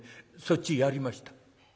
そっちへやりました」。